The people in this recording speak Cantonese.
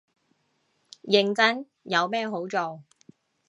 認真，有咩好做